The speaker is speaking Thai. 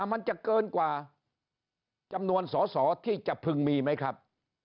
มันจะเกินกว่าจำนวนสอสอที่จะพึงมีไหมครับ